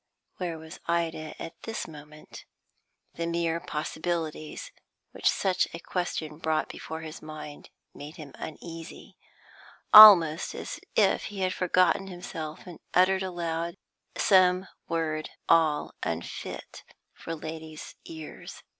Where was Ida at this moment? The mere possibilities which such a question brought before his mind made him uneasy, almost as if he had forgotten himself and uttered aloud some word all unfit for ladies' ears.